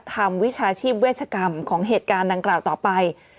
วิชาชีพเวชกรรมของเหตุการณ์ดังกล่าวต่อไป